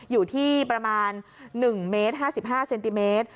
อยู่ที่ประมาณ๑เมตร๕๕เซนติเมตร